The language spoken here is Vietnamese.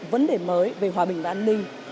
vấn đề mới về hòa bình và an ninh